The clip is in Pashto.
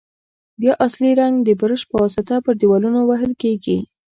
بیا اصلي رنګ د برش په واسطه پر دېوالونو وهل کیږي.